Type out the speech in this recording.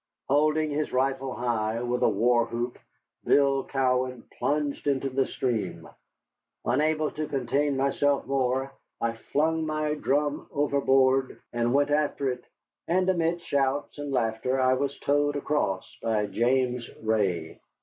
Holding his rifle high, with a war whoop Bill Cowan plunged into the stream. Unable to contain myself more, I flung my drum overboard and went after it, and amid shouts and laughter I was towed across by James Ray.